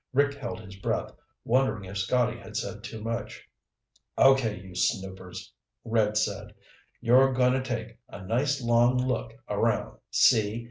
Rick held his breath, wondering if Scotty had said too much. "Okay, you snoopers," Red said. "You're goin' to take a nice long look around, see?